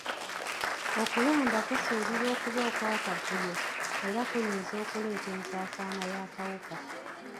Okulonda kusuubirwa okuba okw'akavuyo era kuyinza okuleeta ensaasaana y'akawuka.